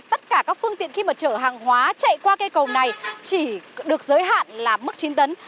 tất cả các phương tiện khi mà chở hàng hóa chạy qua cây cầu này chỉ được giới hạn là mức chín tấn